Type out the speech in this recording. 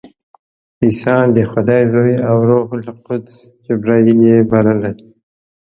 عیسی د خدای زوی او روح القدس جبراییل یې بلل.